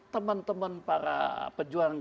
teman teman para pejuang